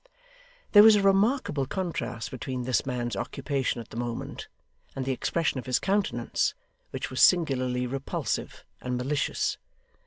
There was a remarkable contrast between this man's occupation at the moment, and the expression of his countenance, which was singularly repulsive and malicious.